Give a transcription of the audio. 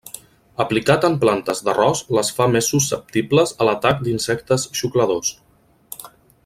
Aplicat en plantes d'arròs les fa més susceptibles a l'atac d'insectes xucladors.